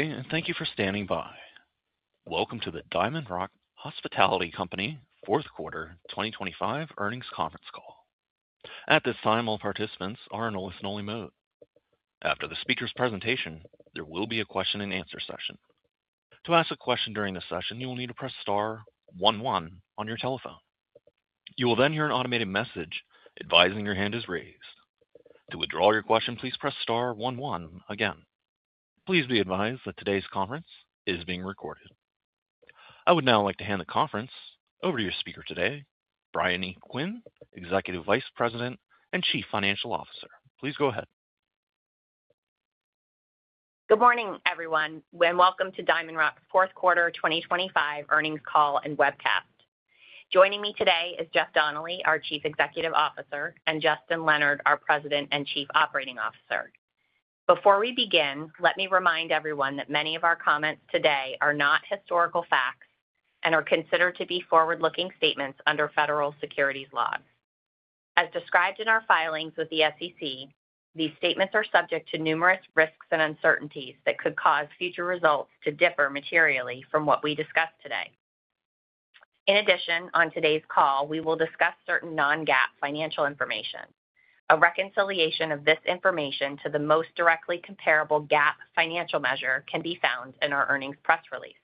Good day, and thank you for standing by. Welcome to the DiamondRock Hospitality Company Fourth Quarter 2025 Earnings Conference Call. At this time, all participants are in listen-only mode. After the speaker's presentation, there will be a question-and-answer session. To ask a question during the session, you will need to press star one one on your telephone. You will then hear an automated message advising your hand is raised. To withdraw your question, please press star one one again. Please be advised that today's conference is being recorded. I would now like to hand the conference over to your speaker today, Briony R. Quinn, Executive Vice President and Chief Financial Officer. Please go ahead. Good morning, everyone, and welcome to DiamondRock Fourth Quarter 2025 Earnings Call and Webcast. Joining me today is Jeff Donnelly, our Chief Executive Officer, and Justin Leonard, our President and Chief Operating Officer. Before we begin, let me remind everyone that many of our comments today are not historical facts and are considered to be forward-looking statements under federal securities laws. As described in our filings with the SEC, these statements are subject to numerous risks and uncertainties that could cause future results to differ materially from what we discuss today. In addition, on today's call, we will discuss certain non-GAAP financial information. A reconciliation of this information to the most directly comparable GAAP financial measure can be found in our earnings press release.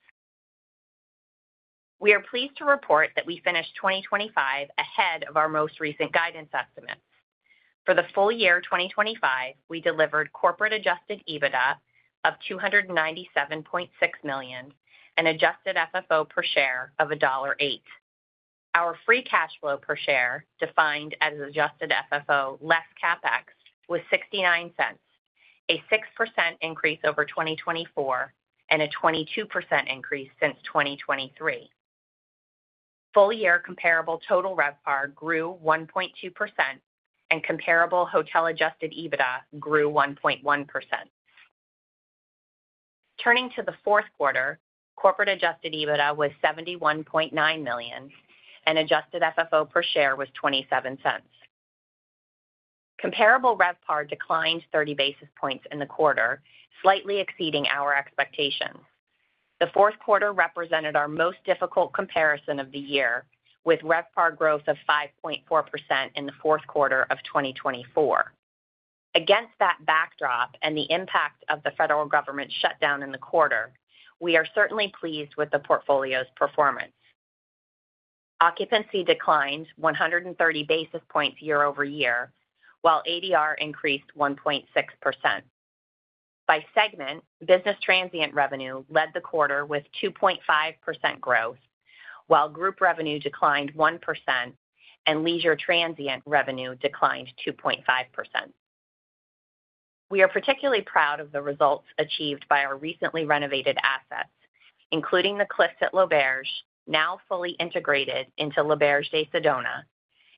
We are pleased to report that we finished 2025 ahead of our most recent guidance estimates. For the full year 2025, we delivered corporate Adjusted EBITDA of $297.6 million and Adjusted FFO per share of $1.08. Our free cash flow per share, defined as Adjusted FFO less CapEx, was $0.69, a 6% increase over 2024 and a 22% increase since 2023. Full year comparable total RevPAR grew 1.2%. Comparable hotel Adjusted EBITDA grew 1.1%. Turning to the fourth quarter, corporate Adjusted EBITDA was $71.9 million, and Adjusted FFO per share was $0.27. Comparable RevPAR declined 30 basis points in the quarter, slightly exceeding our expectations. The fourth quarter represented our most difficult comparison of the year, with RevPAR growth of 5.4% in the fourth quarter of 2024. Against that backdrop and the impact of the federal government shutdown in the quarter, we are certainly pleased with the portfolio's performance. Occupancy declined 130 basis points year-over-year, while ADR increased 1.6%. By segment, business transient revenue led the quarter with 2.5% growth, while group revenue declined 1% and leisure transient revenue declined 2.5%. We are particularly proud of the results achieved by our recently renovated assets, including The Cliffs at L'Auberge, now fully integrated into L'Auberge de Sedona,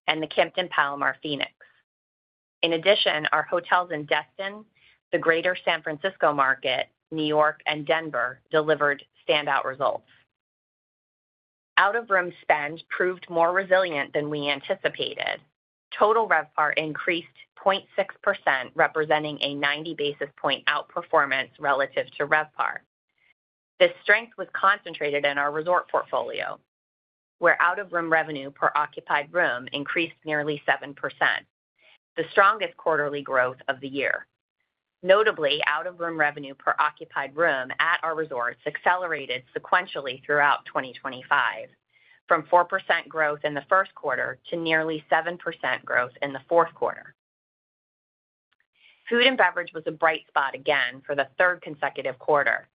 and the Kimpton Hotel Palomar Phoenix. Our hotels in Destin, the Greater San Francisco market, New York, and Denver delivered standout results. Out-of-room spend proved more resilient than we anticipated. Total RevPAR increased 0.6%, representing a 90 basis point outperformance relative to RevPAR. This strength was concentrated in our resort portfolio, where out-of-room revenue per occupied room increased nearly 7%, the strongest quarterly growth of the year. Notably, out-of-room revenue per occupied room at our resorts accelerated sequentially throughout 2025, from 4% growth in the first quarter to nearly 7% growth in the fourth quarter. Food and beverage was a bright spot again for the third consecutive quarter.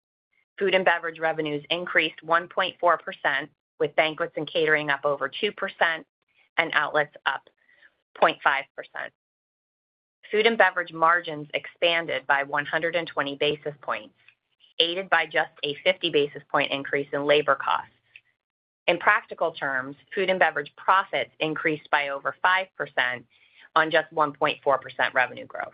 Food and beverage revenues increased 1.4%, with banquets and catering up over 2% and outlets up 0.5%. Food and beverage margins expanded by 120 basis points, aided by just a 50 basis point increase in labor costs. In practical terms, Food and beverage profits increased by over 5% on just 1.4% revenue growth.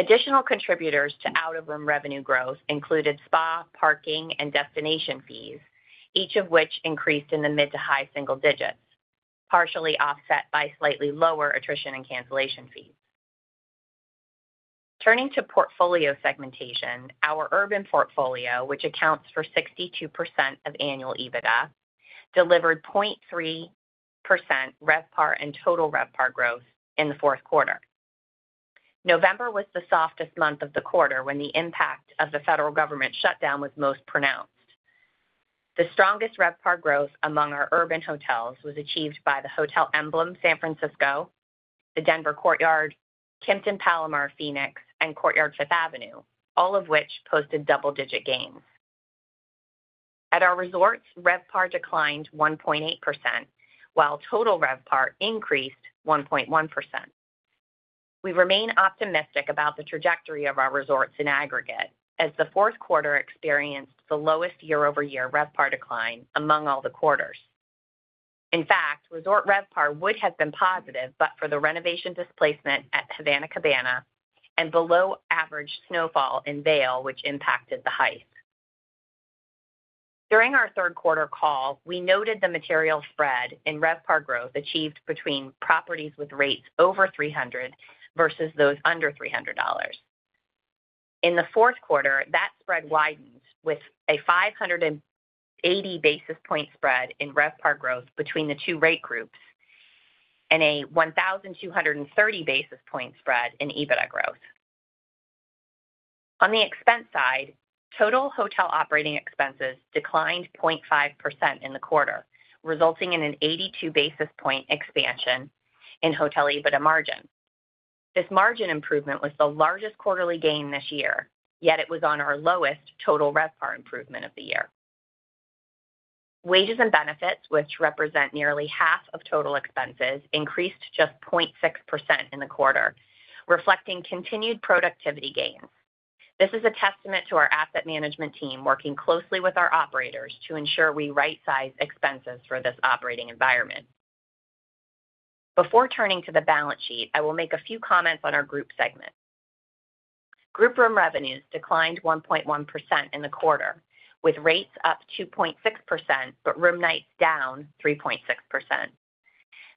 Additional contributors to out-of-room revenue growth included spa, parking, and destination fees, each of which increased in the mid to high single digits, partially offset by slightly lower attrition and cancellation fees. Turning to portfolio segmentation, our urban portfolio, which accounts for 62% of annual EBITDA, delivered 0.3% RevPAR and total RevPAR growth in the fourth quarter. November was the softest month of the quarter, when the impact of the federal government shutdown was most pronounced. The strongest RevPAR growth among our urban hotels was achieved by the Hotel Emblem San Francisco, the Denver Courtyard, Kimpton Palomar Phoenix, and Courtyard Fifth Avenue, all of which posted double-digit gains. At our resorts, RevPAR declined 1.8%, while total RevPAR increased 1.1%. We remain optimistic about the trajectory of our resorts in aggregate, as the fourth quarter experienced the lowest year-over-year RevPAR decline among all the quarters. In fact, resort RevPAR would have been positive, but for the renovation displacement at Havana Cabana and below average snowfall in Vail, which impacted The Hythe. During our third quarter call, we noted the material spread in RevPAR growth achieved between properties with rates over 300 versus those under $300. In the fourth quarter, that spread widened with a 580 basis point spread in RevPAR growth between the two rate groups and a 1,230 basis point spread in EBITDA growth. On the expense side, total hotel operating expenses declined 0.5% in the quarter, resulting in an 82 basis point expansion in hotel EBITDA margin. This margin improvement was the largest quarterly gain this year, yet it was on our lowest total RevPAR improvement of the year. Wages and benefits, which represent nearly half of total expenses, increased just 0.6% in the quarter, reflecting continued productivity gains. This is a testament to our asset management team working closely with our operators to ensure we right-size expenses for this operating environment. Before turning to the balance sheet, I will make a few comments on our group segment. Group room revenues declined 1.1% in the quarter, with rates up 2.6%, but room nights down 3.6%.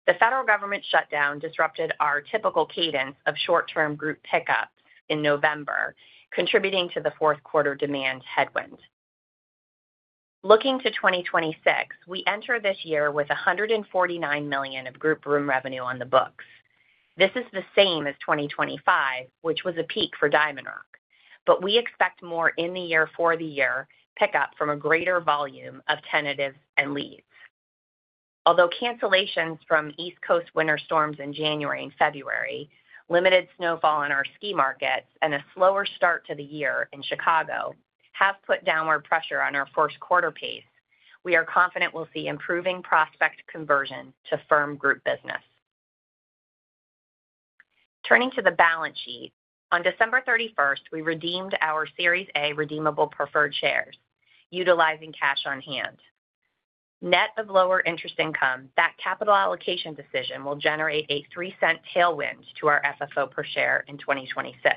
The federal government shutdown disrupted our typical cadence of short-term group pickups in November, contributing to the fourth quarter demand headwind. Looking to 2026, we enter this year with $149 million of group room revenue on the books. This is the same as 2025, which was a peak for DiamondRock. We expect more in the year for the year pickup from a greater volume of tentatives and leads. Although cancellations from East Coast winter storms in January and February, limited snowfall in our ski markets, and a slower start to the year in Chicago have put downward pressure on our first quarter pace, we are confident we'll see improving prospect conversion to firm group business. Turning to the balance sheet, on December 31st, we redeemed our Series A redeemable preferred shares, utilizing cash on hand. Net of lower interest income, that capital allocation decision will generate a $0.03 tailwind to our FFO per share in 2026.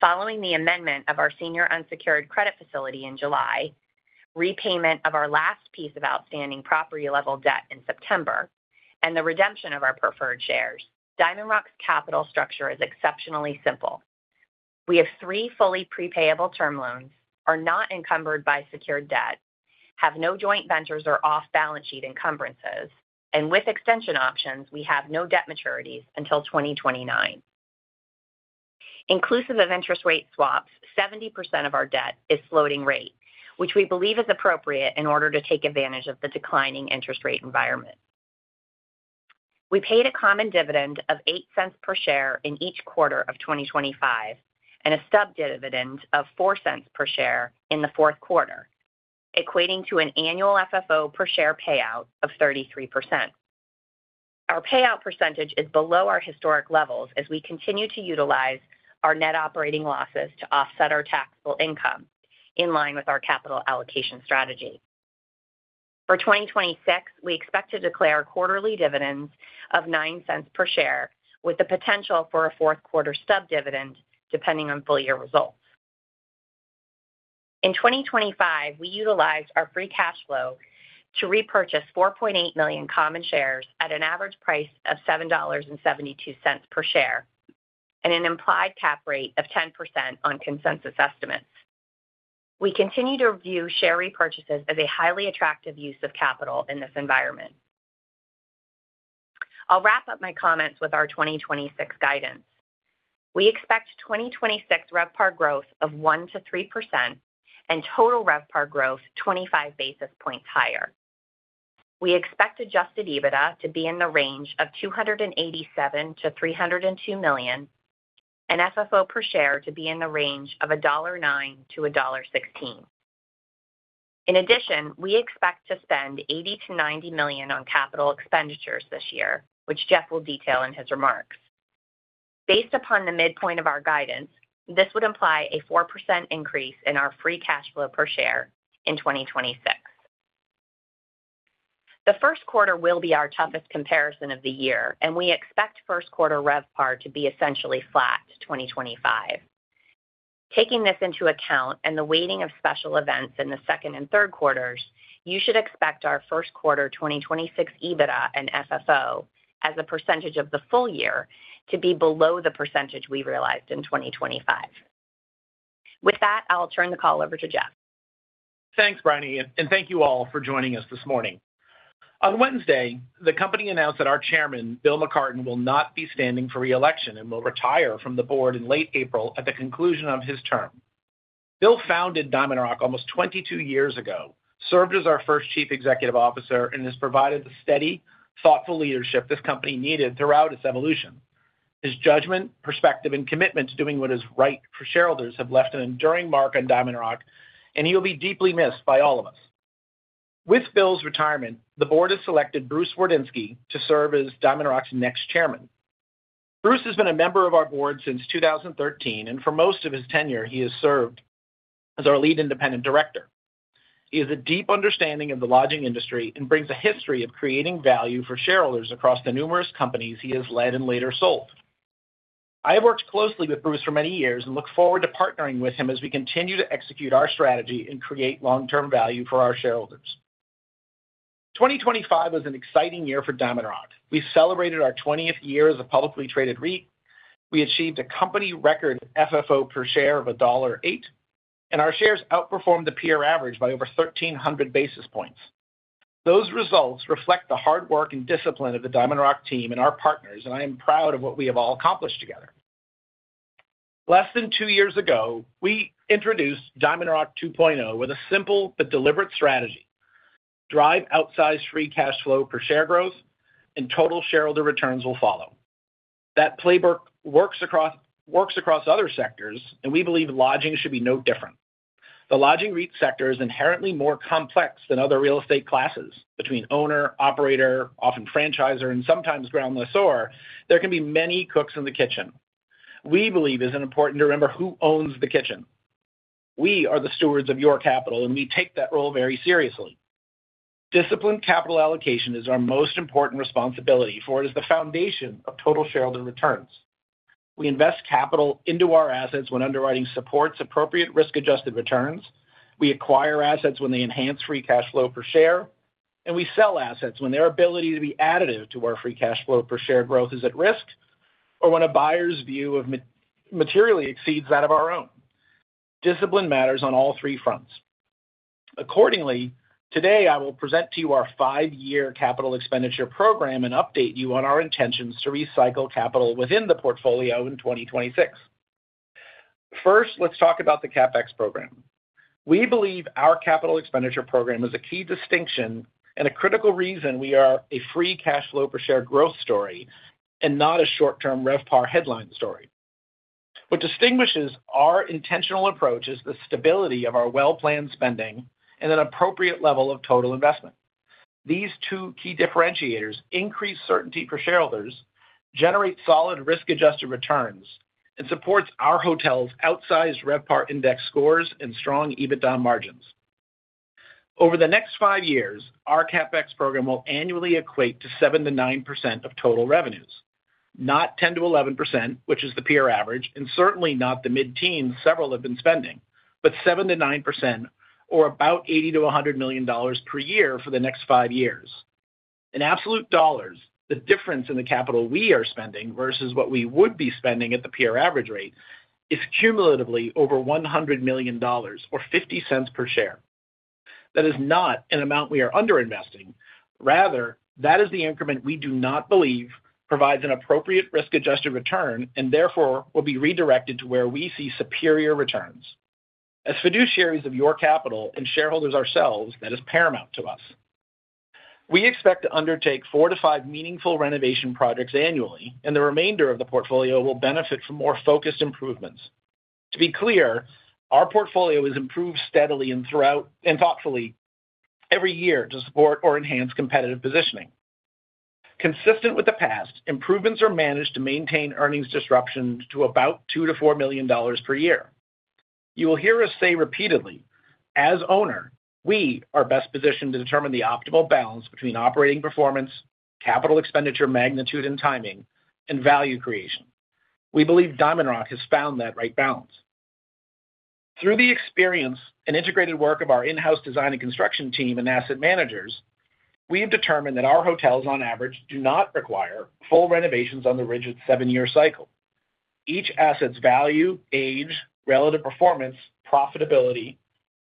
Following the amendment of our senior unsecured credit facility in July, repayment of our last piece of outstanding property-level debt in September, and the redemption of our preferred shares, DiamondRock's capital structure is exceptionally simple. We have three fully pre-payable term loans, are not encumbered by secured debt, have no joint ventures or off-balance sheet encumbrances, and with extension options, we have no debt maturities until 2029. Inclusive of interest rate swaps, 70% of our debt is floating rate, which we believe is appropriate in order to take advantage of the declining interest rate environment. We paid a common dividend of $0.08 per share in each quarter of 2025, and a sub-dividend of $0.04 per share in the fourth quarter, equating to an annual FFO per share payout of 33%. Our payout % is below our historic levels as we continue to utilize our net operating losses to offset our taxable income in line with our capital allocation strategy. For 2026, we expect to declare quarterly dividends of $0.09 per share, with the potential for a fourth quarter sub-dividend, depending on full year results. In 2025, we utilized our free cash flow to repurchase 4.8 million common shares at an average price of $7.72 per share, and an implied cap rate of 10% on consensus estimates. We continue to review share repurchases as a highly attractive use of capital in this environment. I'll wrap up my comments with our 2026 guidance. We expect 2026 RevPAR growth of 1%-3% and total RevPAR growth 25 basis points higher. We expect Adjusted EBITDA to be in the range of $287 million-$302 million, and FFO per share to be in the range of $1.09-$1.16. In addition, we expect to spend $80 million-$90 million on capital expenditures this year, which Jeff will detail in his remarks. Based upon the midpoint of our guidance, this would imply a 4% increase in our free cash flow per share in 2026. The first quarter will be our toughest comparison of the year, and we expect first quarter RevPAR to be essentially flat to 2025. Taking this into account and the weighting of special events in the second and third quarters, you should expect our first quarter 2026 EBITDA and FFO as a percentage of the full year, to be below the percentage we realized in 2025. With that, I'll turn the call over to Jeff. Thanks, Briony, thank you all for joining us this morning. On Wednesday, the company announced that our Chairman, Bill McCarten, will not be standing for re-election and will retire from the board in late April at the conclusion of his term. Bill founded DiamondRock almost 22 years ago, served as our first Chief Executive Officer, and has provided the steady, thoughtful leadership this company needed throughout its evolution. His judgment, perspective, and commitment to doing what is right for shareholders have left an enduring mark on DiamondRock, and he will be deeply missed by all of us. With Bill's retirement, the board has selected Bruce D. Wardinski to serve as DiamondRock's next Chairman. Bruce has been a member of our board since 2013, and for most of his tenure, he has served as our Lead Independent Director. He has a deep understanding of the lodging industry and brings a history of creating value for shareholders across the numerous companies he has led and later sold. I have worked closely with Bruce for many years and look forward to partnering with him as we continue to execute our strategy and create long-term value for our shareholders. 2025 was an exciting year for DiamondRock. We celebrated our 20th year as a publicly traded REIT. We achieved a company record FFO per share of $1.08. Our shares outperformed the peer average by over 1,300 basis points. Those results reflect the hard work and discipline of the DiamondRock team and our partners. I am proud of what we have all accomplished together. Less than 2 years ago, we introduced DiamondRock 2.0, with a simple but deliberate strategy: Drive outsized free cash flow per share growth. Total shareholder returns will follow. That playbook works across other sectors. We believe lodging should be no different. The lodging REIT sector is inherently more complex than other real estate classes. Between owner, operator, often franchisor, and sometimes ground lessor, there can be many cooks in the kitchen. We believe it's important to remember who owns the kitchen. We are the stewards of your capital. We take that role very seriously. Disciplined capital allocation is our most important responsibility, for it is the foundation of total shareholder returns. We invest capital into our assets when underwriting supports appropriate risk-adjusted returns, we acquire assets when they enhance free cash flow per share. We sell assets when their ability to be additive to our free cash flow per share growth is at risk, or when a buyer's view of materially exceeds that of our own. Discipline matters on all three fronts. Accordingly, today I will present to you our five-year capital expenditure program and update you on our intentions to recycle capital within the portfolio in 2026. First, let's talk about the CapEx program. We believe our capital expenditure program is a key distinction and a critical reason we are a free cash flow per share growth story and not a short-term RevPAR headline story. What distinguishes our intentional approach is the stability of our well-planned spending and an appropriate level of total investment. These two key differentiators increase certainty for shareholders, generate solid risk-djusted returns, and supports our hotels' outsized RevPAR index scores and strong EBITDA margins. Over the next five years, our CapEx program will annually equate to 7%-9% of total revenues. Not 10%-11%, which is the peer average, and certainly not the mid-teens several have been spending, but 7%-9% or about $80 million-$100 million per year for the next five years. In absolute dollars, the difference in the capital we are spending versus what we would be spending at the peer average rate is cumulatively over $100 million or $0.50 per share. That is not an amount we are underinvesting; rather, that is the increment we do not believe provides an appropriate risk-adjusted return and therefore will be redirected to where we see superior returns. As fiduciaries of your capital and shareholders ourselves, that is paramount to us. We expect to undertake four to five meaningful renovation projects annually, and the remainder of the portfolio will benefit from more focused improvements. To be clear, our portfolio is improved steadily and thoughtfully every year to support or enhance competitive positioning. Consistent with the past, improvements are managed to maintain earnings disruptions to about $2 million-$4 million per year. You will hear us say repeatedly, as owner, we are best positioned to determine the optimal balance between operating performance, capital expenditure, magnitude and timing, and value creation. We believe DiamondRock has found that right balance. Through the experience and integrated work of our in-house design and construction team and asset managers, we have determined that our hotels, on average, do not require full renovations on the rigid seven-year cycle. Each asset's value, age, relative performance, profitability,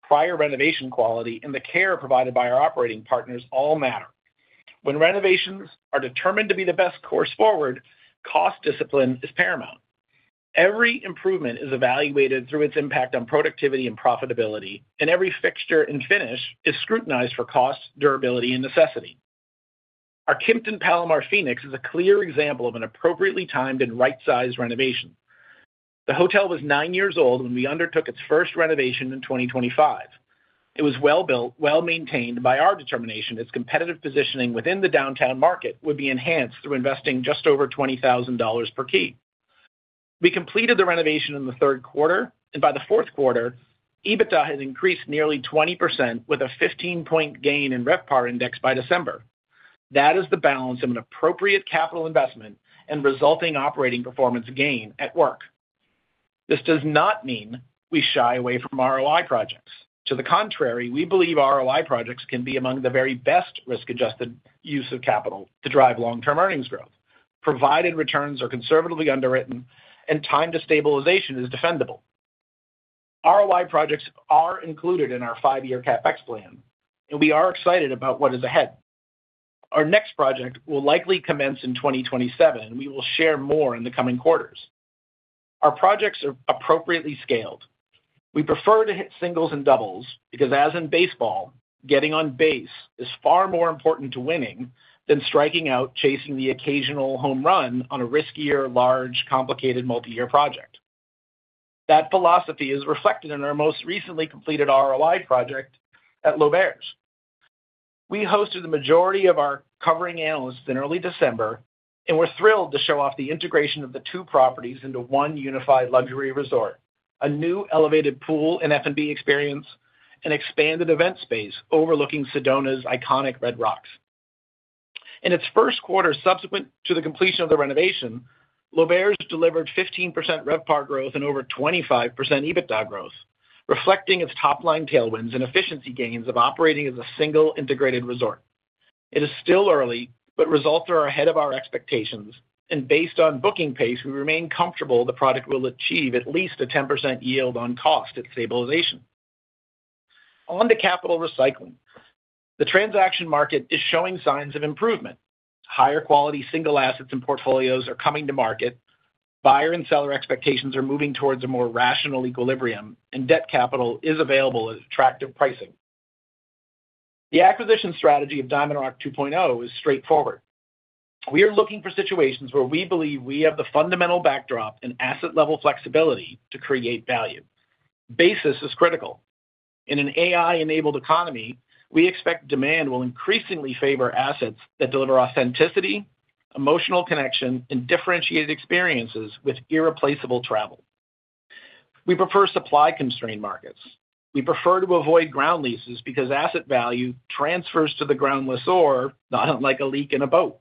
prior renovation quality, and the care provided by our operating partners all matter. When renovations are determined to be the best course forward, cost discipline is paramount. Every improvement is evaluated through its impact on productivity and profitability, and every fixture and finish is scrutinized for cost, durability, and necessity. Our Kimpton Palomar Phoenix is a clear example of an appropriately timed and right-sized renovation. The hotel was nine years old when we undertook its first renovation in 2025. It was well built, well maintained by our determination, its competitive positioning within the downtown market would be enhanced through investing just over $20,000 per key. We completed the renovation in the third quarter. By the fourth quarter, EBITDA had increased nearly 20%, with a 15-point gain in RevPAR index by December. That is the balance of an appropriate capital investment and resulting operating performance gain at work. This does not mean we shy away from ROI projects. To the contrary, we believe ROI projects can be among the very best risk-adjusted use of capital to drive long-term earnings growth, provided returns are conservatively underwritten and time to stabilization is defendable. ROI projects are included in our five-year CapEx plan. We are excited about what is ahead. Our next project will likely commence in 2027. We will share more in the coming quarters. Our projects are appropriately scaled. We prefer to hit singles and doubles because, as in baseball, getting on base is far more important to winning than striking out, chasing the occasional home run on a riskier, large, complicated, multi-year project. That philosophy is reflected in our most recently completed ROI project at L'Auberge. We hosted the majority of our covering analysts in early December. We're thrilled to show off the integration of the two properties into one unified luxury resort, a new elevated pool and F&B experience, and expanded event space overlooking Sedona's iconic Red Rocks. In its first quarter subsequent to the completion of the renovation, L'Auberge delivered 15% RevPAR growth and over 25% EBITDA growth, reflecting its top-line tailwinds and efficiency gains of operating as a single integrated resort. It is still early. Results are ahead of our expectations, based on booking pace, we remain comfortable the product will achieve at least a 10% yield on cost at stabilization. On to capital recycling. The transaction market is showing signs of improvement. Higher quality single assets and portfolios are coming to market. Buyer and seller expectations are moving towards a more rational equilibrium, debt capital is available at attractive pricing. The acquisition strategy of DiamondRock 2.0 is straightforward. We are looking for situations where we believe we have the fundamental backdrop and asset level flexibility to create value. Basis is critical. In an AI-enabled economy, we expect demand will increasingly favor assets that deliver authenticity, emotional connection, and differentiated experiences with irreplaceable travel. We prefer supply-constrained markets. We prefer to avoid ground leases because asset value transfers to the ground lessor, like a leak in a boat.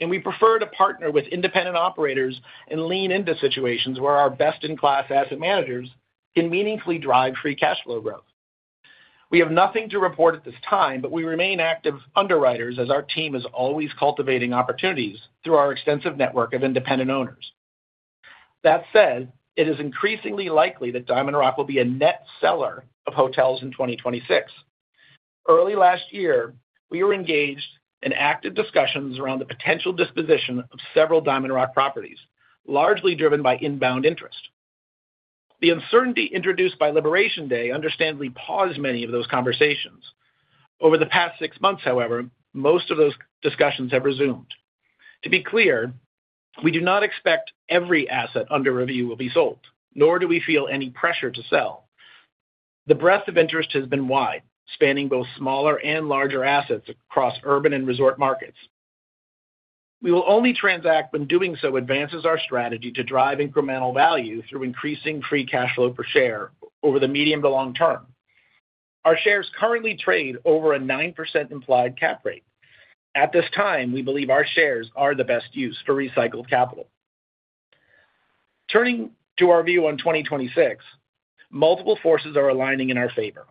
We prefer to partner with independent operators and lean into situations where our best-in-class asset managers can meaningfully drive free cash flow growth. We have nothing to report at this time, we remain active underwriters as our team is always cultivating opportunities through our extensive network of independent owners. That said, it is increasingly likely that DiamondRock will be a net seller of hotels in 2026. Early last year, we were engaged in active discussions around the potential disposition of several DiamondRock properties, largely driven by inbound interest. The uncertainty introduced by Liberation Day understandably paused many of those conversations. Over the past six months, however, most of those discussions have resumed. To be clear, we do not expect every asset under review will be sold, nor do we feel any pressure to sell. The breadth of interest has been wide, spanning both smaller and larger assets across urban and resort markets. We will only transact when doing so advances our strategy to drive incremental value through increasing free cash flow per share over the medium to long term. Our shares currently trade over a 9% implied cap rate. At this time, we believe our shares are the best use for recycled capital. Turning to our view on 2026, multiple forces are aligning in our favor.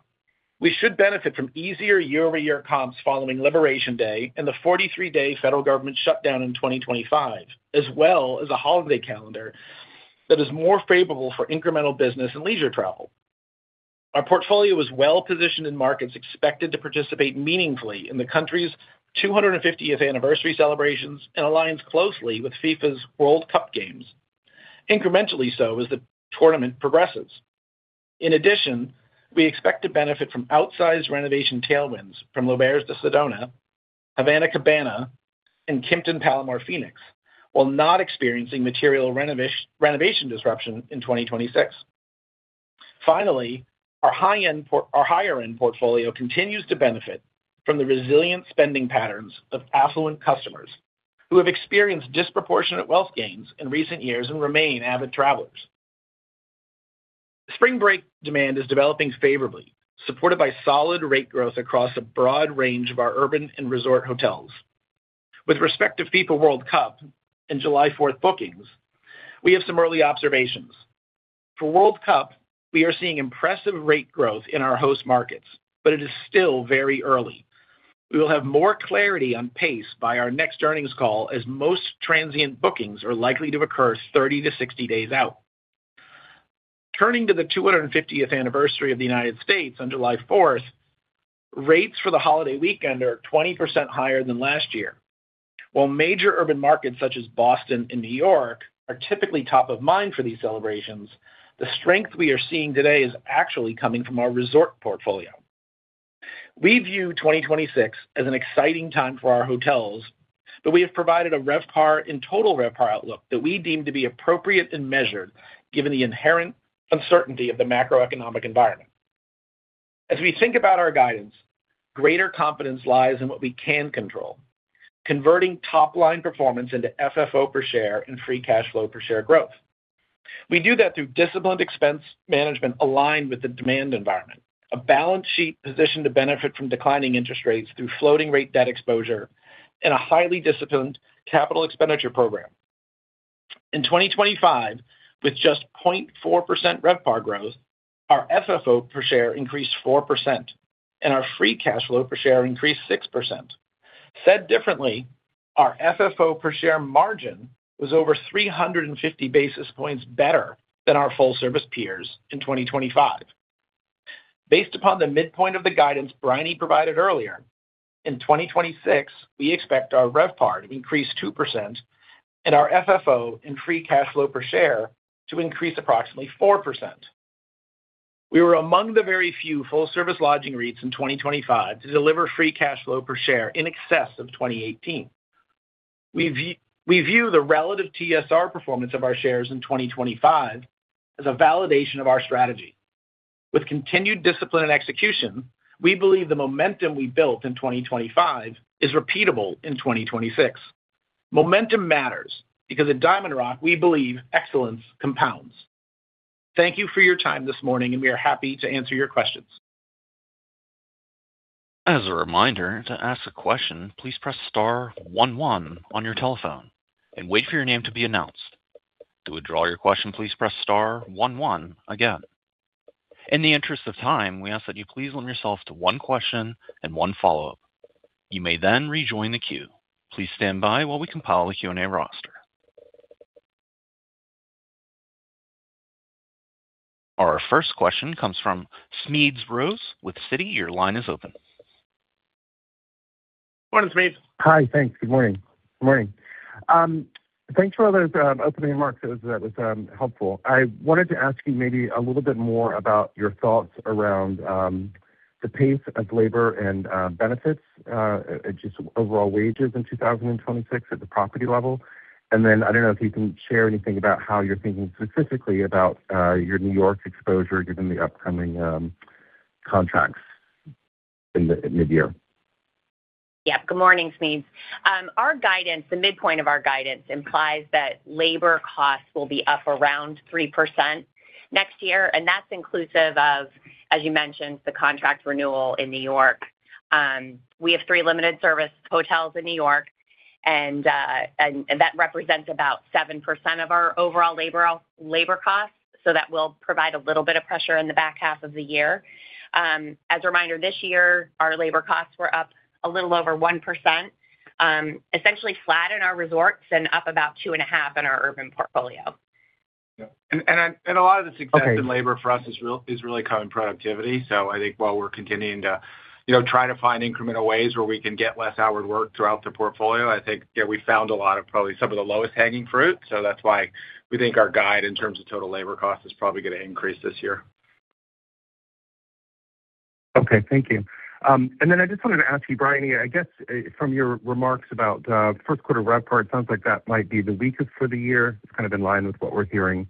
We should benefit from easier year-over-year comps following Liberation Day and the 43-day federal government shutdown in 2025, as well as a holiday calendar that is more favorable for incremental business and leisure travel. Our portfolio is well-positioned in markets expected to participate meaningfully in the country's 250th anniversary celebrations and aligns closely with FIFA's World Cup games, incrementally so as the tournament progresses. In addition, we expect to benefit from outsized renovation tailwinds from L'Auberge de Sedona, Havana Cabana, and Kimpton Palomar Phoenix, while not experiencing material renovation disruption in 2026. Finally, our higher-end portfolio continues to benefit from the resilient spending patterns of affluent customers who have experienced disproportionate wealth gains in recent years and remain avid travelers. Spring break demand is developing favorably, supported by solid rate growth across a broad range of our urban and resort hotels. With respect to FIFA World Cup and July Fourth bookings, we have some early observations. For World Cup, we are seeing impressive rate growth in our host markets. It is still very early. We will have more clarity on pace by our next earnings call, as most transient bookings are likely to occur 30 to 60 days out. Turning to the 250th anniversary of the United States on July Fourth, rates for the holiday weekend are 20% higher than last year. While major urban markets such as Boston and New York are typically top of mind for these celebrations, the strength we are seeing today is actually coming from our resort portfolio. We view 2026 as an exciting time for our hotels. We have provided a RevPAR and total RevPAR outlook that we deem to be appropriate and measured, given the inherent uncertainty of the macroeconomic environment. As we think about our guidance, greater confidence lies in what we can control, converting top-line performance into FFO per share and free cash flow per share growth. We do that through disciplined expense management aligned with the demand environment, a balance sheet positioned to benefit from declining interest rates through floating rate debt exposure, and a highly disciplined capital expenditure program. In 2025, with just 0.4% RevPAR growth, our FFO per share increased 4%, and our free cash flow per share increased 6%. Said differently, our FFO per share margin was over 350 basis points better than our full-service peers in 2025. Based upon the midpoint of the guidance Briony provided earlier, in 2026, we expect our RevPAR to increase 2% and our FFO and free cash flow per share to increase approximately 4%. We were among the very few full-service lodging REITs in 2025 to deliver free cash flow per share in excess of 2018. We view the relative TSR performance of our shares in 2025 as a validation of our strategy. With continued discipline and execution, we believe the momentum we built in 2025 is repeatable in 2026. Momentum matters because at DiamondRock, we believe excellence compounds. Thank you for your time this morning, and we are happy to answer your questions. As a reminder, to ask a question, please press star one on your telephone and wait for your name to be announced. To withdraw your question, please press star one again. In the interest of time, we ask that you please limit yourself to one question and one follow-up. You may then rejoin the queue. Please stand by while we compile the Q&A roster. Our first question comes from Smedes Rose with Citi. Your line is open. Morning, Smedes. Hi. Thanks. Good morning. Good morning. Thanks for those opening remarks. That was helpful. I wanted to ask you maybe a little bit more about your thoughts around the pace of labor and benefits, just overall wages in 2026 at the property level. I don't know if you can share anything about how you're thinking specifically about your New York exposure, given the upcoming contracts in the midyear. Yep. Good morning, Smedes. Our guidance, the midpoint of our guidance implies that labor costs will be up around 3% next year. That's inclusive of, as you mentioned, the contract renewal in New York. We have three limited service hotels in New York, and that represents about 7% of our overall labor costs. That will provide a little bit of pressure in the back half of the year. As a reminder, this year, our labor costs were up a little over 1%, essentially flat in our resorts and up about two and a half in our urban portfolio. Yeah. A lot of the Okay. in labor for us is real, is really coming from productivity. I think while we're continuing to, you know, try to find incremental ways where we can get less hour work throughout the portfolio, I think, we found a lot of probably some of the lowest hanging fruit. That's why we think our guide, in terms of total labor cost, is probably going to increase this year. Okay. Thank you. Then I just wanted to ask you, Briony, I guess, from your remarks about first quarter RevPAR, it sounds like that might be the weakest for the year. It's kind of in line with what we're hearing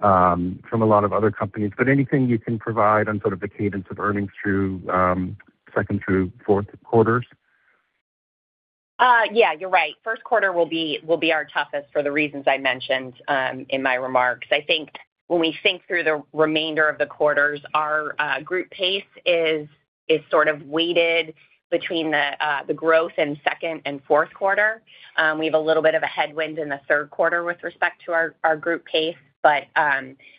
from a lot of other companies. Anything you can provide on sort of the cadence of earnings through second through fourth quarters? Yeah, you're right. First quarter will be our toughest for the reasons I mentioned in my remarks. I think when we think through the remainder of the quarters, our group pace is sort of weighted between the growth in second and fourth quarter. We have a little bit of a headwind in the third quarter with respect to our group pace, but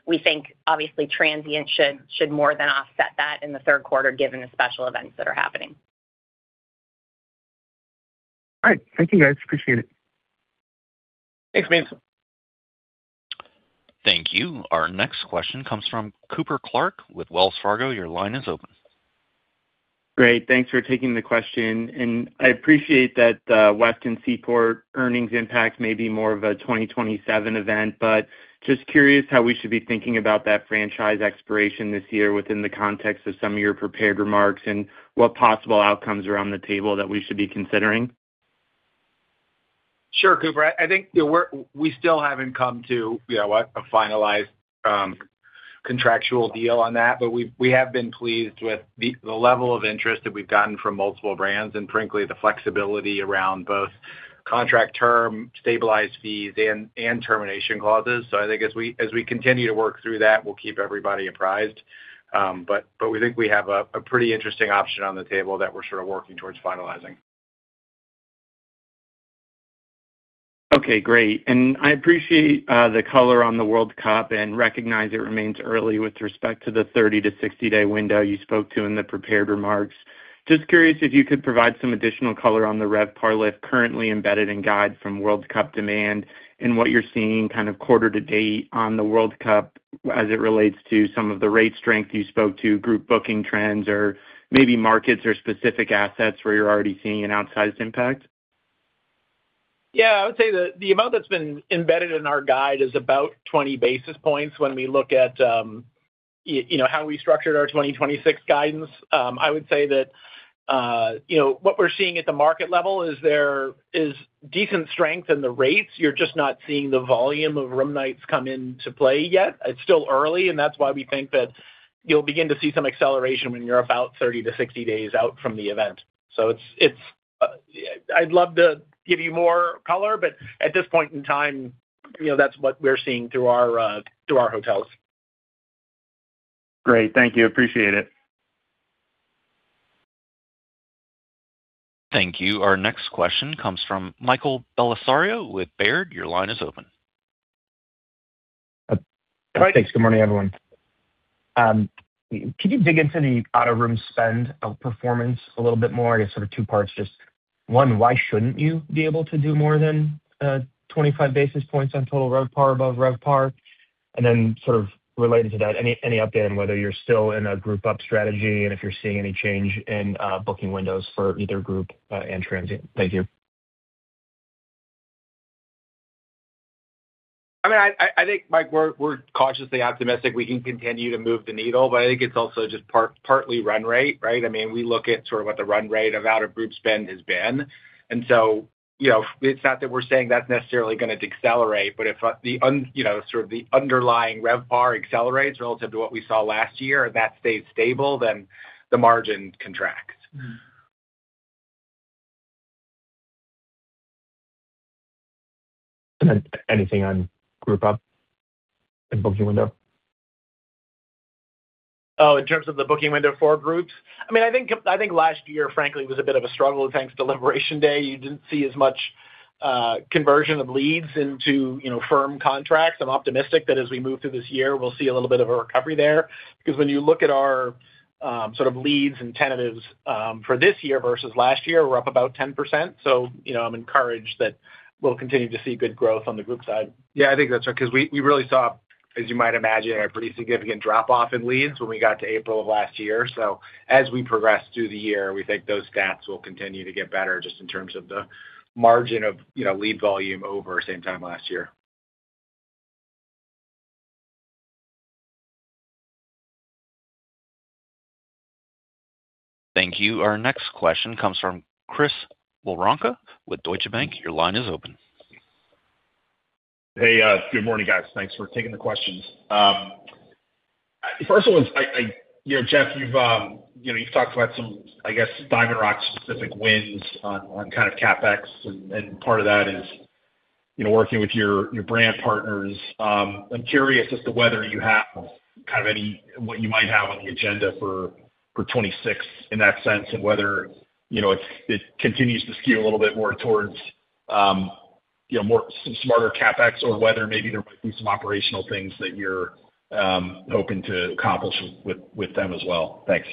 we think obviously transient should more than offset that in the third quarter, given the special events that are happening. All right. Thank you, guys. Appreciate it. Thanks, Smedes. Thank you. Our next question comes from Cooper Clark with Wells Fargo. Your line is open. Great, thanks for taking the question, and I appreciate that the Westin Seaport earnings impact may be more of a 2027 event, but just curious how we should be thinking about that franchise expiration this year within the context of some of your prepared remarks, and what possible outcomes are on the table that we should be considering? Sure, Cooper. I think, you know, we still haven't come to, you know, a finalized contractual deal on that. We have been pleased with the level of interest that we've gotten from multiple brands and frankly, the flexibility around both contract term, stabilized fees and termination clauses. I think as we continue to work through that, we'll keep everybody apprised. We think we have a pretty interesting option on the table that we're sort of working towards finalizing. Okay, great. I appreciate the color on the World Cup and recognize it remains early with respect to the 30-60-day window you spoke to in the prepared remarks. Just curious if you could provide some additional color on the RevPAR lift currently embedded in guide from World Cup demand, and what you're seeing kind of quarter to date on the World Cup as it relates to some of the rate strength you spoke to, group booking trends or maybe markets or specific assets where you're already seeing an outsized impact? Yeah, I would say that the amount that's been embedded in our guide is about 20 basis points when we look at, you know, how we structured our 2026 guidance. I would say that, you know, what we're seeing at the market level is there is decent strength in the rates. You're just not seeing the volume of room nights come into play yet. It's still early, and that's why we think that you'll begin to see some acceleration when you're about 30-60 days out from the event. I'd love to give you more color, but at this point in time, you know, that's what we're seeing through our hotels. Great. Thank you. Appreciate it. Thank you. Our next question comes from Michael Bellisario with Baird. Your line is open. Thanks. Good morning, everyone. Could you dig into the out-of-room spend of performance a little bit more? I guess sort of two parts. Just one, why shouldn't you be able to do more than 25 basis points on total RevPAR above RevPAR? Sort of related to that, any update on whether you're still in a group-up strategy and if you're seeing any change in booking windows for either group, and transient? Thank you. I mean, I think, Mike, we're cautiously optimistic we can continue to move the needle, but I think it's also just partly run rate, right? I mean, we look at sort of what the run rate of out-of-group spend has been. You know, it's not that we're saying that's necessarily going to accelerate, but if, you know, sort of the underlying RevPAR accelerates relative to what we saw last year and that stays stable, then the margin contracts. Mm-hmm. Anything on group up and booking window? In terms of the booking window for groups? I mean, I think last year, frankly, was a bit of a struggle thanks to Liberation Day. You didn't see as much conversion of leads into, you know, firm contracts. I'm optimistic that as we move through this year, we'll see a little bit of a recovery there. When you look at our sort of leads and tentatives for this year versus last year, we're up about 10%. You know, I'm encouraged that we'll continue to see good growth on the group side. Yeah, I think that's right, 'cause we really saw, as you might imagine, a pretty significant drop-off in leads when we got to April of last year. As we progress through the year, we think those stats will continue to get better just in terms of the margin of, you know, lead volume over the same time last year. Thank you. Our next question comes from Chris Woronka with Deutsche Bank. Your line is open. Hey, good morning, guys. Thanks for taking the questions. first of all, you know, Jeff, you've, you know, you've talked about some, I guess, DiamondRock specific wins on kind of CapEx, and part of that is, you know, working with your brand partners. I'm curious as to whether you have kind of any, what you might have on the agenda for 2026 in that sense, and whether, you know, it continues to skew a little bit more towards, you know, more smarter CapEx, or whether maybe there might be some operational things that you're hoping to accomplish with them as well. Thanks.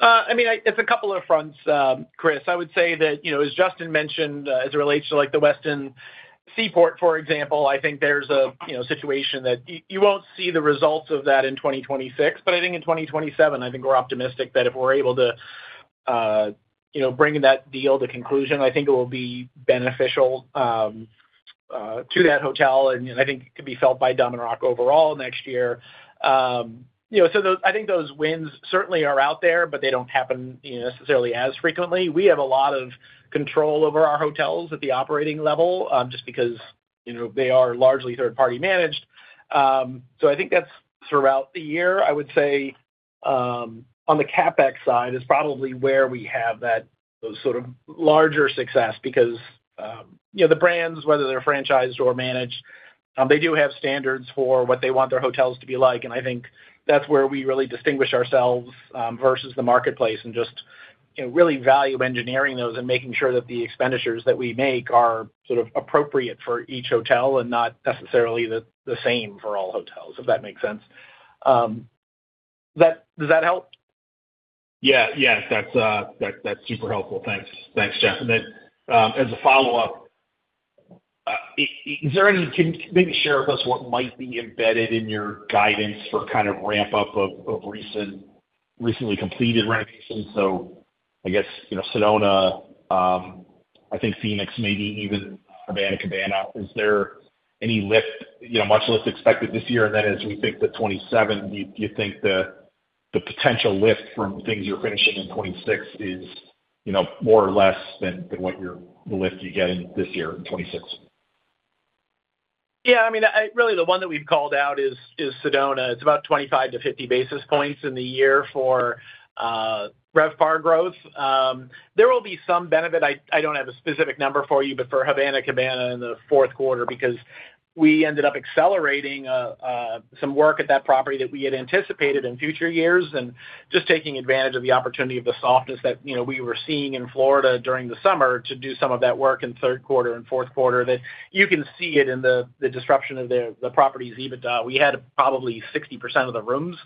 I mean, it's a couple of fronts, Chris. I would say that, you know, as Justin mentioned, as it relates to, like, the Westin Seaport, for example, I think there's a, you know, situation that you won't see the results of that in 2026, but I think in 2027, I think we're optimistic that if we're able to, you know, bring that deal to conclusion, I think it will be beneficial to that hotel, and I think it could be felt by DiamondRock overall next year. You know, so those... I think those wins certainly are out there, but they don't happen, you know, necessarily as frequently. We have a lot of control over our hotels at the operating level, just because, you know, they are largely third-party managed. I think that's throughout the year. I would say, on the CapEx side is probably where we have those sort of larger success because, you know, the brands, whether they're franchised or managed, they do have standards for what they want their hotels to be like. I think that's where we really distinguish ourselves versus the marketplace, and just, you know, really value engineering those and making sure that the expenditures that we make are sort of appropriate for each hotel and not necessarily the same for all hotels, if that makes sense. Does that help? Yes, that's super helpful. Thanks, Jeff. As a follow-up, can you maybe share with us what might be embedded in your guidance for kind of ramp up of recently completed renovations? I guess, you know, Sedona, I think Phoenix, maybe even Havana Cabana. Is there any lift, you know, much lift expected this year? As we think to 2027, do you think the potential lift from things you're finishing in 2026 is, you know, more or less than what you're the lift you're getting this year in 2026? Yeah, I mean, really, the one that we've called out is Sedona. It's about 25-50 basis points in the year for RevPAR growth. There will be some benefit, I don't have a specific number for you, but for Havana Cabana in the fourth quarter, because we ended up accelerating some work at that property that we had anticipated in future years, and just taking advantage of the opportunity of the softness that, you know, we were seeing in Florida during the summer to do some of that work in third quarter and fourth quarter, that you can see it in the disruption of the property's EBITDA. We had probably 60% of the rooms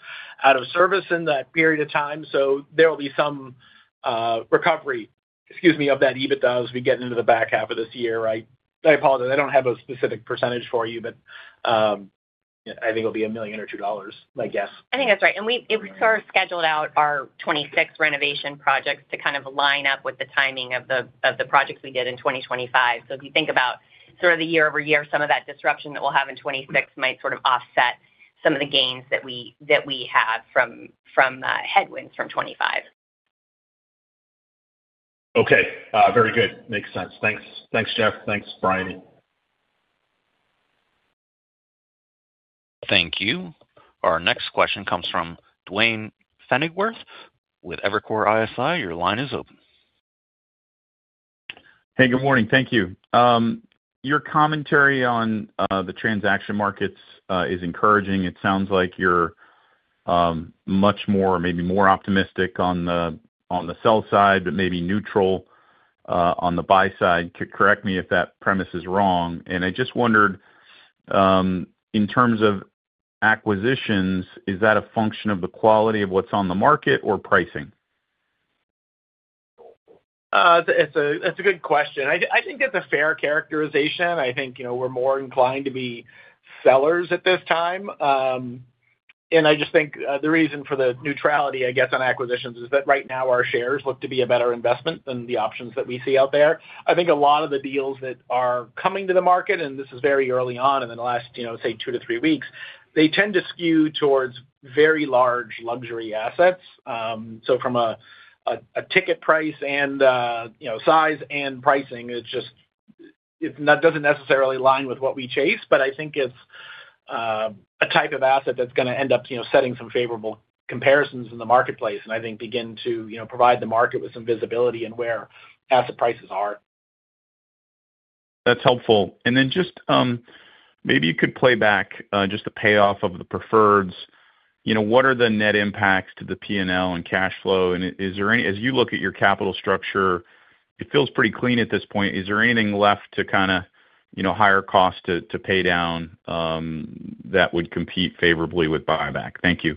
out of service in that period of time, so there will be some recovery, excuse me, of that EBITDA as we get into the back half of this year, right? I apologize. I don't have a specific percentage for you, but I think it'll be $1 million or $2 million, my guess. I think that's right. We sort of scheduled out our 2026 renovation projects to kind of line up with the timing of the projects we did in 2025. If you think about sort of the year-over-year, some of that disruption that we'll have in 2026 might sort of offset some of the gains that we had from headwinds from 2025. Okay, very good. Makes sense. Thanks. Thanks, Jeff. Thanks, Briony. Thank you. Our next question comes from Duane Pfennigwerth with Evercore ISI. Your line is open. Hey, good morning. Thank you. Your commentary on the transaction markets is encouraging. It sounds like you're much more, maybe more optimistic on the sell side, but maybe neutral on the buy side. Correct me if that premise is wrong. I just wondered, in terms of acquisitions, is that a function of the quality of what's on the market or pricing? It's a good question. I think it's a fair characterization. I think, you know, we're more inclined to be sellers at this time. I just think the reason for the neutrality, I guess, on acquisitions, is that right now our shares look to be a better investment than the options that we see out there. I think a lot of the deals that are coming to the market, and this is very early on, in the last, you know, say, two to three weeks, they tend to skew towards very large luxury assets. From a ticket price and, you know, size and pricing, it's just. Doesn't necessarily align with what we chase, but I think it's a type of asset that's gonna end up, you know, setting some favorable comparisons in the marketplace, and I think begin to, you know, provide the market with some visibility in where asset prices are. That's helpful. Then just maybe you could play back just the payoff of the preferreds? You know, what are the net impacts to the P&L and cash flow? As you look at your capital structure, it feels pretty clean at this point. Is there anything left to kind of, you know, higher cost to pay down that would compete favorably with buyback? Thank you.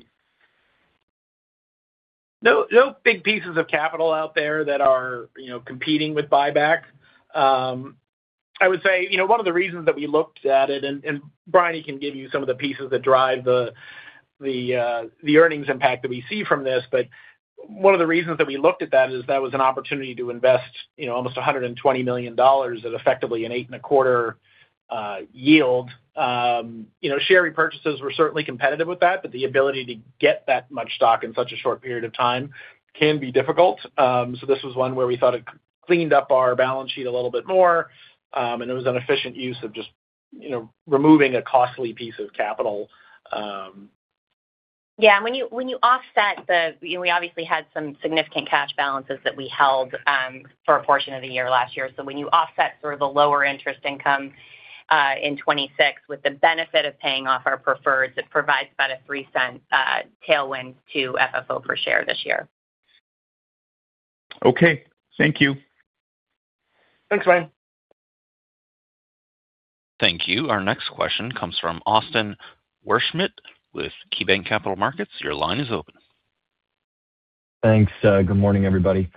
No, no big pieces of capital out there that are, you know, competing with buyback. I would say, you know, one of the reasons that we looked at it, and Briony can give you some of the pieces that drive the earnings impact that we see from this. One of the reasons that we looked at that is that was an opportunity to invest, you know, almost $120 million at effectively an 8.25% yield. You know, share repurchases were certainly competitive with that, but the ability to get that much stock in such a short period of time can be difficult. This was one where we thought it cleaned up our balance sheet a little bit more, and it was an efficient use of just, you know, removing a costly piece of capital. When you offset, we obviously had some significant cash balances that we held for a portion of the year last year. When you offset sort of the lower interest income in 26 with the benefit of paying off our preferreds, it provides about a $0.03 tailwind to FFO per share this year. Okay, thank you. Thanks, Ryan. Thank you. Our next question comes from Austin Wurschmidt with KeyBanc Capital Markets. Your line is open. Thanks, good morning, everybody.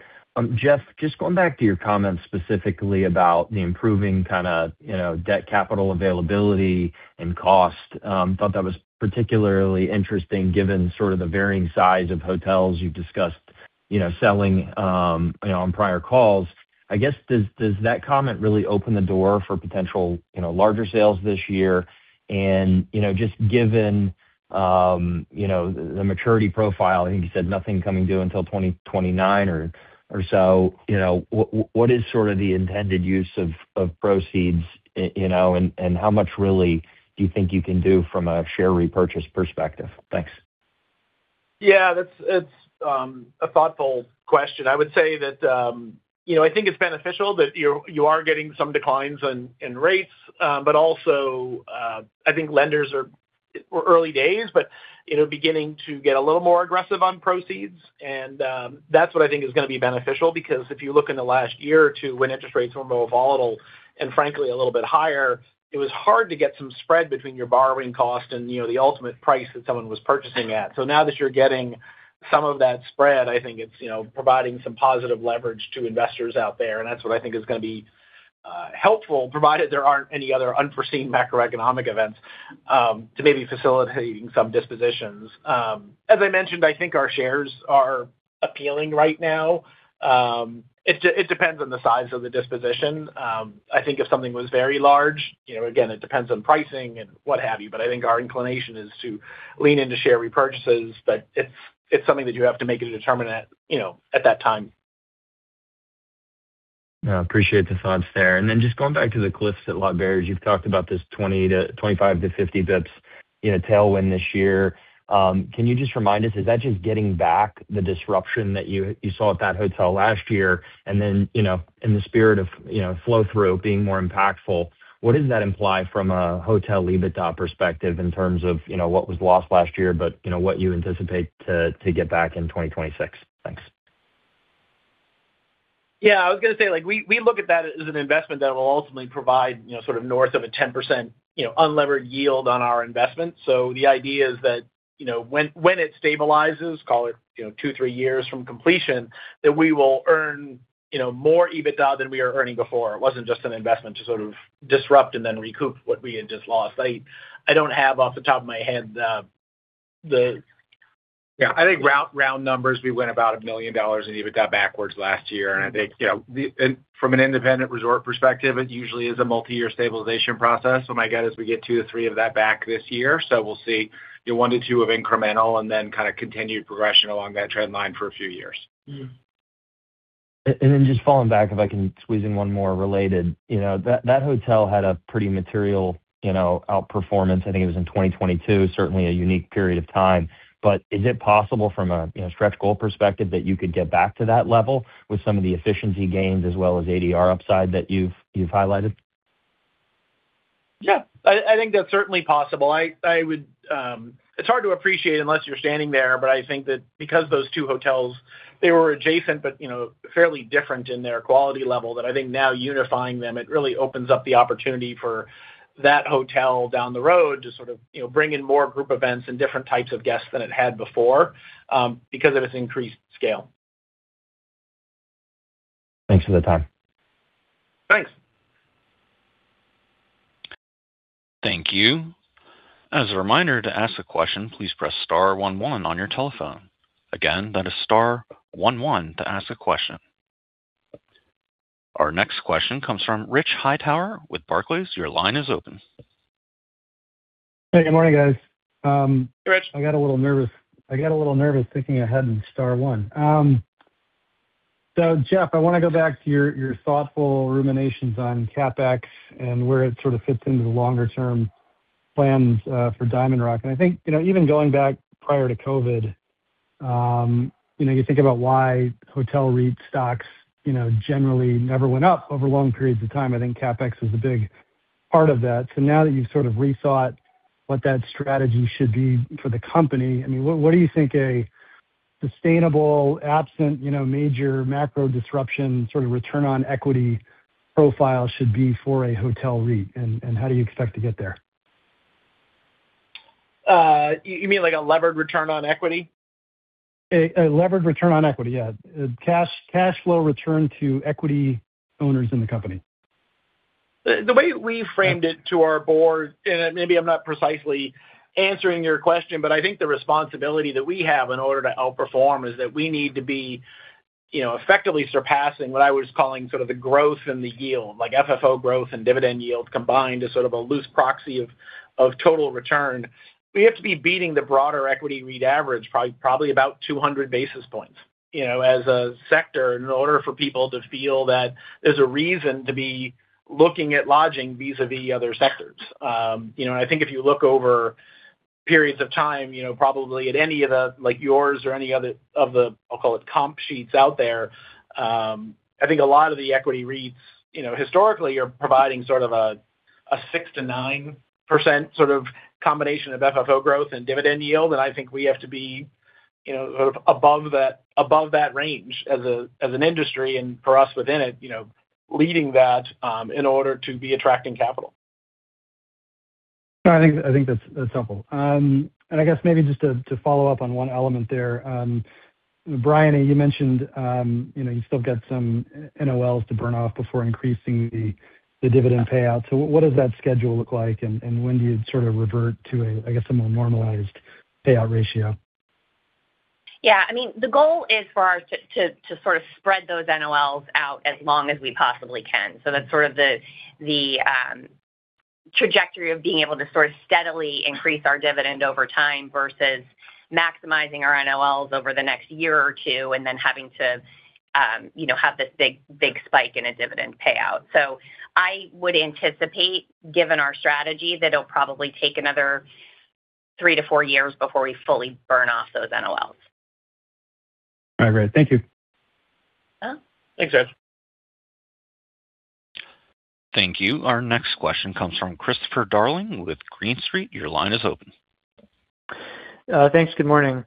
Jeff, just going back to your comments specifically about the improving kind of, you know, debt capital availability and cost, thought that was particularly interesting given sort of the varying size of hotels you've discussed, you know, selling, you know, on prior calls. I guess, does that comment really open the door for potential, you know, larger sales this year? You know, just given, you know, the maturity profile, I think you said nothing coming due until 2029 or so, you know, what is sort of the intended use of proceeds, you know, and how much really do you think you can do from a share repurchase perspective? Thanks. Yeah, that's, it's a thoughtful question. I would say that, you know, I think it's beneficial that you are getting some declines in rates, but also, I think lenders are... We're early days, but, you know, beginning to get a little more aggressive on proceeds. That's what I think is gonna be beneficial because if you look in the last year or two when interest rates were more volatile and frankly, a little bit higher, it was hard to get some spread between your borrowing cost and, you know, the ultimate price that someone was purchasing at. Now that you're getting some of that spread, I think it's, you know, providing some positive leverage to investors out there, and that's what I think is gonna be helpful, provided there aren't any other unforeseen macroeconomic events, to maybe facilitating some dispositions. As I mentioned, I think our shares are appealing right now. It depends on the size of the disposition. I think if something was very large, you know, again, it depends on pricing and what have you, but I think our inclination is to lean into share repurchases. It's something that you have to make a determinant, you know, at that time. I appreciate the thoughts there. Just going back to The Cliffs at L'Auberge, you've talked about this 25-50 basis points, you know, tailwind this year. Can you just remind us, is that just getting back the disruption that you saw at that hotel last year? And then, you know, in the spirit of, you know, flow-through being more impactful, what does that imply from a hotel EBITDA perspective in terms of, you know, what was lost last year, but, you know, what you anticipate to get back in 2026? Thanks. Yeah, I was going to say, like, we look at that as an investment that will ultimately provide, you know, sort of north of a 10%, you know, unlevered yield on our investment. The idea is that, you know, when it stabilizes, call it, you know, two, three years from completion, that we will earn, you know, more EBITDA than we were earning before. It wasn't just an investment to sort of disrupt and then recoup what we had just lost. I don't have off the top of my head the. Yeah, I think round numbers, we went about $1 million in EBITDA backwards last year, and I think, you know, and from an independent resort perspective, it usually is a multi-year stabilization process. My guess is we get two to three of that back this year. We'll see, you know, one to two of incremental and then kind of continued progression along that trend line for a few years. Mm-hmm. Just following back, if I can squeeze in one more related. You know, that hotel had a pretty material, you know, outperformance. I think it was in 2022, certainly a unique period of time. Is it possible from a, you know, stretch goal perspective that you could get back to that level with some of the efficiency gains as well as ADR upside that you've highlighted? Yeah. I think that's certainly possible. I would. It's hard to appreciate unless you're standing there, but I think that because those two hotels, they were adjacent, but you know, fairly different in their quality level, that I think now unifying them, it really opens up the opportunity for that hotel down the road to sort of, you know, bring in more group events and different types of guests than it had before because of its increased scale. Thanks for the time. Thanks. Thank you. As a reminder, to ask a question, please press star one one on your telephone. Again, that is star one one to ask a question. Our next question comes from Rich Hightower with Barclays. Your line is open. Hey, good morning, guys. Hey, Rich. I got a little nervous thinking ahead in star one. Jeff, I wanna go back to your thoughtful ruminations on CapEx and where it sort of fits into the longer-term plans for DiamondRock. I think, you know, even going back prior to COVID, you know, you think about why hotel REIT stocks, you know, generally never went up over long periods of time. I think CapEx is a big part of that. Now that you've sort of rethought what that strategy should be for the company, I mean, what do you think a sustainable, absent, you know, major macro disruption, sort of return on equity profile should be for a hotel REIT? How do you expect to get there? You mean like a levered return on equity? A levered return on equity, yeah. Cash flow return to equity owners in the company. The way we framed it to our Board, and maybe I'm not precisely answering your question, but I think the responsibility that we have in order to outperform is that we need to be, you know, effectively surpassing what I was calling sort of the growth and the yield, like FFO growth and dividend yield combined is sort of a loose proxy of total return. We have to be beating the broader equity REIT average, probably about 200 basis points, you know, as a sector, in order for people to feel that there's a reason to be looking at lodging vis-a-vis other sectors. You know, and I think if you look over periods of time, you know, probably at any of the... like yours or any other of the, I'll call it, comp sheets out there, I think a lot of the equity REITs, you know, historically are providing sort of a 6%-9% sort of combination of FFO growth and dividend yield. I think we have to be, you know, above that range as a, as an industry, and for us within it, you know, leading that, in order to be attracting capital. No, I think, I think that's helpful. I guess maybe just to follow up on one element there. Briony, you mentioned, you know, you've still got some NOLs to burn off before increasing the dividend payout. What does that schedule look like? When do you sort of revert to a, I guess, a more normalized payout ratio? Yeah. I mean, the goal is to sort of spread those NOLs out as long as we possibly can. That's sort of the trajectory of being able to sort of steadily increase our dividend over time versus maximizing our NOLs over the next year or two, and then having to, you know, have this big spike in a dividend payout. I would anticipate, given our strategy, that it'll probably take another three to four years before we fully burn off those NOLs. All right, great. Thank you. Uh. Thanks, Ed. Thank you. Our next question comes from Chris Darling with Green Street. Your line is open. Thanks. Good morning.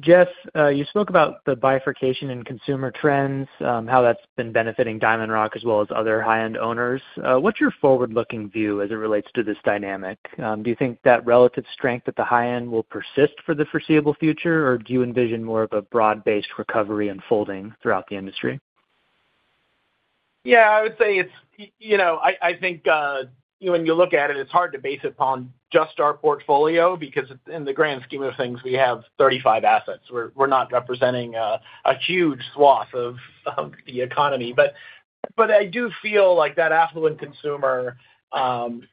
Jeff, you spoke about the bifurcation in consumer trends, how that's been benefiting DiamondRock as well as other high-end owners. What's your forward-looking view as it relates to this dynamic? Do you think that relative strength at the high end will persist for the foreseeable future, or do you envision more of a broad-based recovery unfolding throughout the industry? Yeah, I would say it's you know, I think, you know, when you look at it's hard to base it upon just our portfolio, because in the grand scheme of things, we have 35 assets. We're not representing a huge swath of the economy. I do feel like that affluent consumer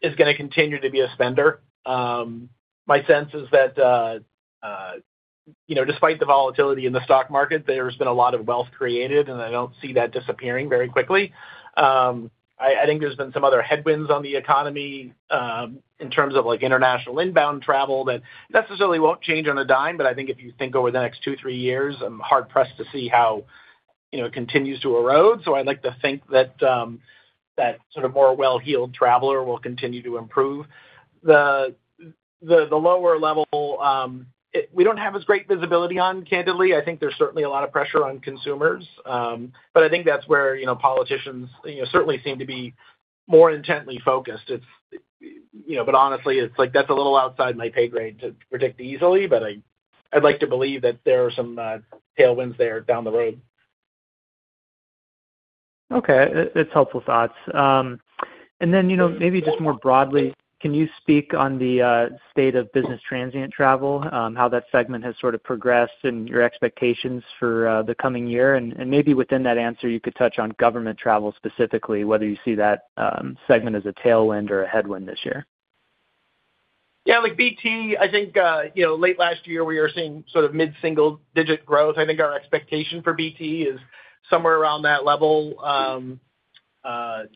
is gonna continue to be a spender. My sense is that, you know, despite the volatility in the stock market, there's been a lot of wealth created, and I don't see that disappearing very quickly. I think there's been some other headwinds on the economy, in terms of, like, international inbound travel, that necessarily won't change on a dime. I think if you think over the next two, three years, I'm hard-pressed to see how, you know, it continues to erode. I'd like to think that that sort of more well-heeled traveler will continue to improve. The lower level, we don't have as great visibility on, candidly. I think there's certainly a lot of pressure on consumers. I think that's where, you know, politicians, you know, certainly seem to be more intently focused. It's, you know, honestly, it's like that's a little outside my pay grade to predict easily, but I'd like to believe that there are some tailwinds there down the road. Okay. It's helpful thoughts. Then, you know, maybe just more broadly, can you speak on the state of business transient travel, how that segment has sort of progressed and your expectations for the coming year? Maybe within that answer, you could touch on government travel, specifically, whether you see that segment as a tailwind or a headwind this year. Yeah, like BT, I think, you know, late last year, we were seeing sort of mid-single digit growth. I think our expectation for BT is somewhere around that level.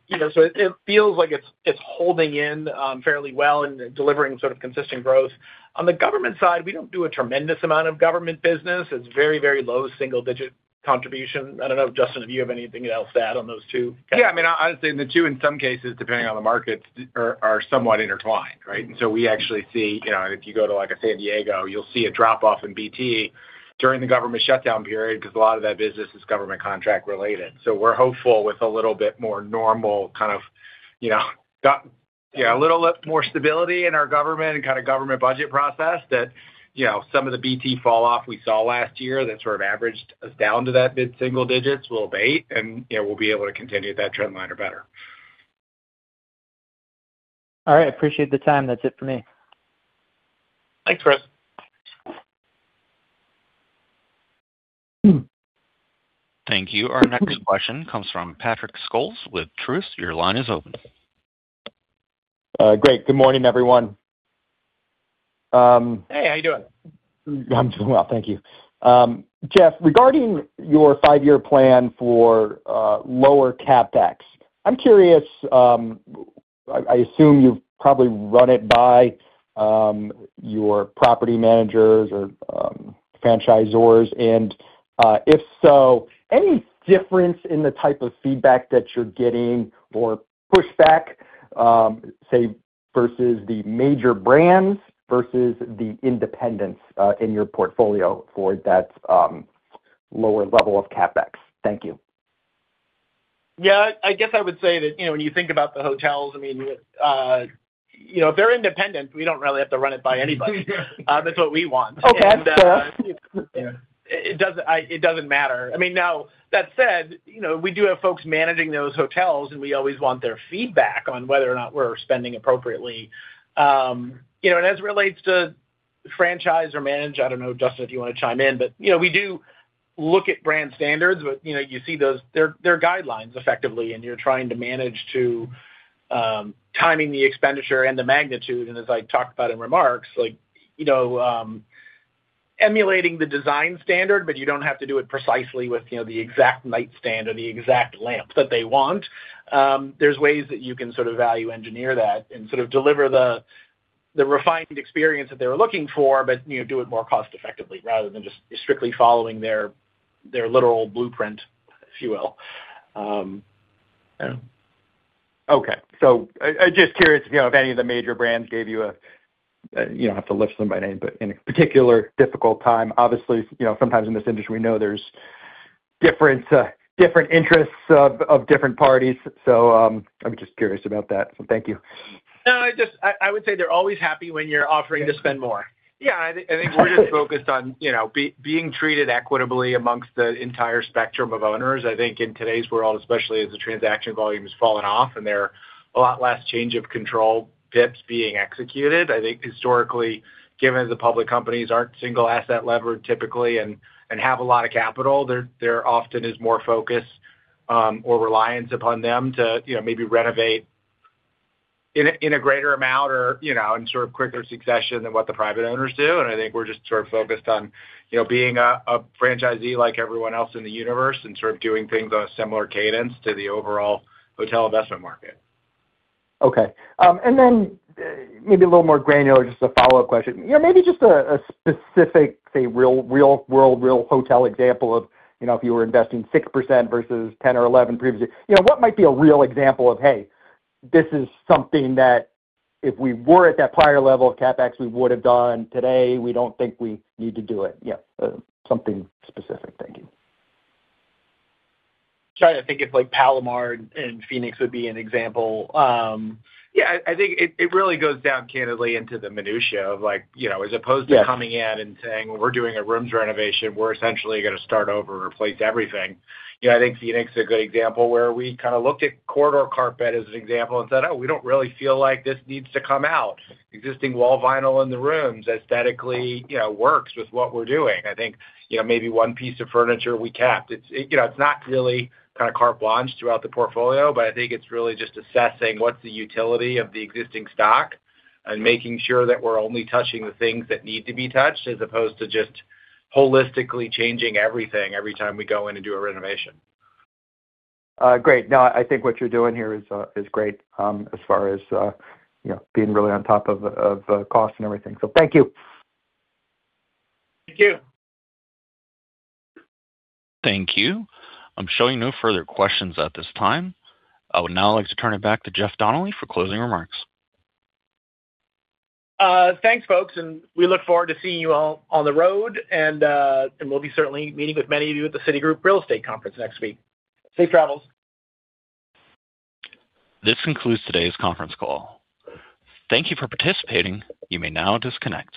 You know, so it feels like it's holding in fairly well and delivering sort of consistent growth. On the government side, we don't do a tremendous amount of government business. It's very, very low, single digit contribution. I don't know, Justin, if you have anything else to add on those two? Yeah, I mean, I would say the two, in some cases, depending on the markets, are somewhat intertwined, right? We actually see, you know, if you go to, like, a San Diego, you'll see a drop-off in BT during the government shutdown period, because a lot of that business is government contract related. We're hopeful with a little bit more normal kind of, you know, yeah, a little more stability in our government and kind of government budget process that, you know, some of the BT falloff we saw last year, that sort of averaged us down to that mid-single digits will abate, and, you know, we'll be able to continue at that trend line or better. All right. I appreciate the time. That's it for me. Thanks, Chris. Thank you. Our next question comes from Patrick Scholes with Truist Securities. Your line is open. Great. Good morning, everyone. Hey, how you doing? I'm doing well, thank you. Jeff, regarding your five-year plan for lower CapEx, I'm curious, I assume you've probably run it by your property managers or franchisors, if so, any difference in the type of feedback that you're getting or pushback, say, versus the major brands versus the independents in your portfolio for that lower level of CapEx? Thank you. I guess I would say that, you know, when you think about the hotels, I mean, you know, if they're independent, we don't really have to run it by anybody. That's what we want. Okay, fair. It doesn't matter. I mean, now, that said, you know, we do have folks managing those hotels, and we always want their feedback on whether or not we're spending appropriately. You know, as it relates to franchise or manage, I don't know, Justin, if you wanna chime in, but, you know, we do look at brand standards, but, you know, you see those, they're guidelines effectively, and you're trying to manage to timing the expenditure and the magnitude, and as I talked about in remarks, like, you know, emulating the design standard, but you don't have to do it precisely with, you know, the exact nightstand or the exact lamp that they want. There's ways that you can sort of value engineer that and sort of deliver the refined experience that they were looking for, but, you know, do it more cost effectively rather than just strictly following their literal blueprint, if you will. Okay, I just curious, you know, if any of the major brands gave you a, you don't have to list them by name, any particular difficult time. Obviously, you know, sometimes in this industry, we know there's different different interests of different parties. I'm just curious about that, thank you. No, I just, I would say they're always happy when you're offering to spend more. Yeah, I think we're just focused on, you know, being treated equitably amongst the entire spectrum of owners. I think in today's world, especially as the transaction volume has fallen off and there are a lot less change of control PIPs being executed, I think historically, given the public companies aren't single asset levered typically and have a lot of capital, there often is more focus, or reliance upon them to, you know, maybe renovate in a greater amount or, you know, in sort of quicker succession than what the private owners do. I think we're just sort of focused on, you know, being a franchisee like everyone else in the universe and sort of doing things on a similar cadence to the overall hotel investment market. Okay, maybe a little more granular, just a follow-up question. You know, maybe just a specific, say, real-world, real hotel example of, you know, if you were investing 6% versus 10 or 11 previously. You know, what might be a real example of, hey, this is something that if we were at that prior level of CapEx, we would have done. Today, we don't think we need to do it. Yeah, something specific. Thank you. Trying to think if, like, Palomar in Phoenix would be an example. Yeah, I think it really goes down candidly into the minutiae of like, you know. Yeah... to coming in and saying, "We're doing a rooms renovation. We're essentially gonna start over and replace everything." You know, I think Phoenix is a good example where we kind of looked at corridor carpet as an example and said, "Oh, we don't really feel like this needs to come out." Existing wall vinyl in the rooms aesthetically, you know, works with what we're doing. I think, you know, maybe one piece of furniture we kept. It's, you know, it's not really kind of carte blanche throughout the portfolio, but I think it's really just assessing what's the utility of the existing stock and making sure that we're only touching the things that need to be touched, as opposed to just holistically changing everything every time we go in and do a renovation. Great. No, I think what you're doing here is great, as far as, you know, being really on top of cost and everything. Thank you. Thank you. Thank you. I'm showing no further questions at this time. I would now like to turn it back to Jeff Donnelly for closing remarks. Thanks, folks. We look forward to seeing you all on the road, and we'll be certainly meeting with many of you at the Citigroup Real Estate Conference next week. Safe travels. This concludes today's conference call. Thank you for participating. You may now disconnect.